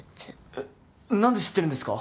えっ何で知ってるんですか？